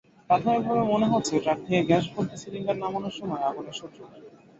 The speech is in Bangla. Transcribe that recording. প্রাথমিকভাবে মনে হচ্ছে, ট্রাক থেকে গ্যাসভর্তি সিলিন্ডার নামানোর সময় আগুনের সূত্রপাত।